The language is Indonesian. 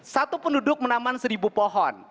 satu penduduk menaman seribu pohon